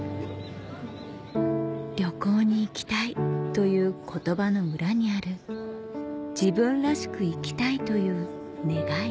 「旅行に行きたい」という言葉の裏にある「自分らしく生きたい」という願い